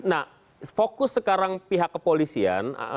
nah fokus sekarang pihak kepolisian